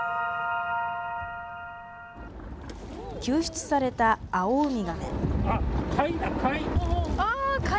救出されたアオウミガメ。